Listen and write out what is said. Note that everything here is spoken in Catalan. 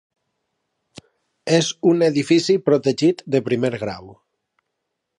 És un edifici protegit de primer grau.